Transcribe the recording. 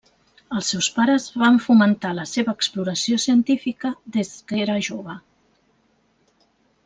Els seus pares van fomentar la seva exploració científica des que era jove.